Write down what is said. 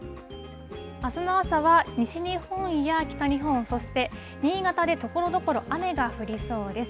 あすの朝は西日本や北日本、そして新潟でところどころ雨が降りそうです。